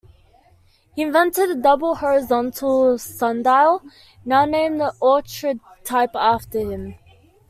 He invented the double horizontal sundial, now named Oughtred-type after him.